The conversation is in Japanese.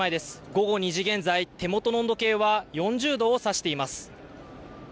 午後２時現在、手元の温度計は４０度を指しています。